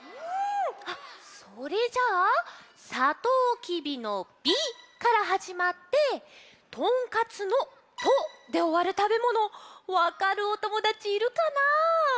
それじゃあさとうきびの「び」からはじまってとんかつの「と」でおわる食べ物わかるおともだちいるかな？